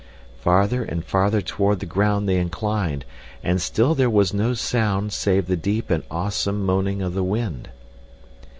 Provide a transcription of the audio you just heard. Farther and farther toward the ground they inclined, and still there was no sound save the deep and awesome moaning of the wind.